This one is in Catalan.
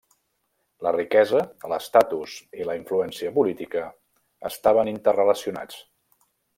La riquesa, l'estatus i la influència política estaven interrelacionats.